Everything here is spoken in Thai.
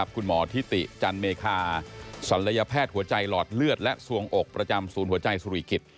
คุณหมอทิติจันเมคาศัลยแพทย์หัวใจหลอดเลือดและส่วงอกประจำศูนย์หัวใจสุริกิจ